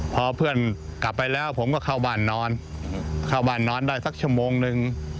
พอเพื่อนกลับไปแล้วผมก็เข้าบ้านนอนเข้าบ้านนอนได้สักชั่วโมงนึง